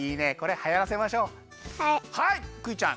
はいクイちゃん。